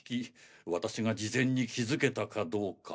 私が事前に気づけたかどうか。